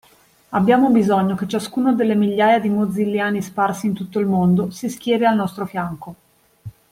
Abbiamo bisogno che ciascuno delle migliaia di Mozilliani sparsi in tutto il mondo si schieri al nostro fianco.